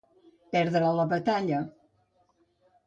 Perdre la batalla.